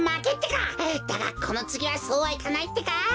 だがこのつぎはそうはいかないってか！